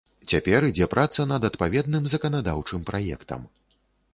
Цяпер ідзе праца над адпаведным заканадаўчым праектам.